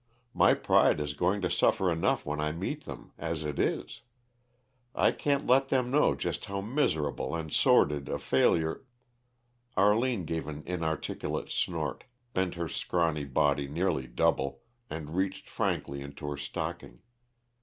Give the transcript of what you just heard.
My pride is going to suffer enough when I meet them, as it is; I can't let them know just how miserable and sordid a failure " Arline gave an inarticulate snort, bent her scrawny body nearly double, and reached frankly into her stocking.